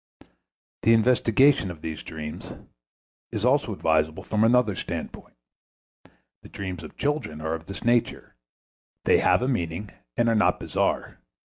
The investigation of these dreams is also advisable from another standpoint. The dreams of children are of this nature; they have a meaning, and are not bizarre.